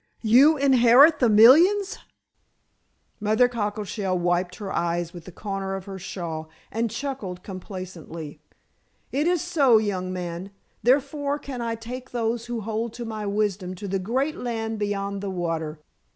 "You inherit the millions?" Mother Cockleshell wiped her eyes with a corner of her shawl and chuckled complacently. "It is so, young man, therefore can I take those who hold to my wisdom to the great land beyond the water.